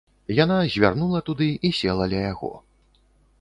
Яна звярнула туды і села ля яго.